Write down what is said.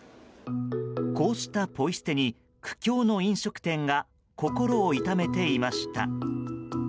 こうしたポイ捨てに苦境の飲食店が心を痛めていました。